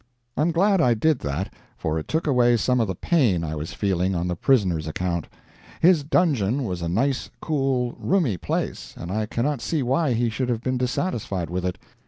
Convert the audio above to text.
I am glad I did that, for it took away some of the pain I was feeling on the prisoner's account. His dungeon was a nice, cool, roomy place, and I cannot see why he should have been dissatisfied with it.